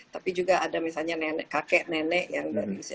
tapi juga ada misalnya kakek nenek yang dari usia